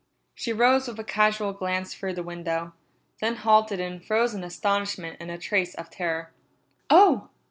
She rose with a casual glance through the window, then halted in frozen astonishment and a trace of terror. "Oh!"